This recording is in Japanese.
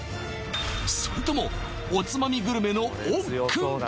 それともおつまみグルメのおっくんか？